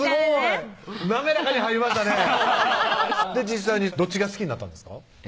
実際にどっちが好きになったんですか？